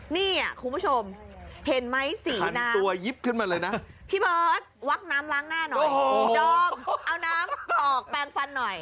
นี่คุณผู้ชมเห็นไหมสีน้ำตัวยิบขึ้นมาเลยนะพี่เบิร์ตวักน้ำล้างหน้าหน่อยดอมเอาน้ำออกแปลงฟันหน่อย